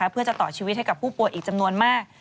เพื่อจะต่อชีวิตให้กับผู้ป่วยอีกจำนวนมาก